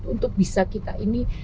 untuk bisa kita ini